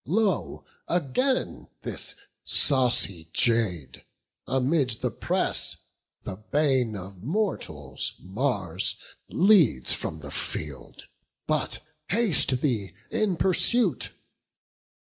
lo again this saucy jade Amid the press, the bane of mortals, Mars Leads from the field; but haste thee in pursuit."